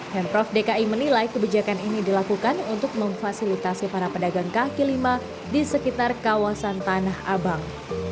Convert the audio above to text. pemprov dki menilai kebijakan ini dilakukan untuk memfasilitasi para pedagang kaki lima di sekitar kawasan tanah abang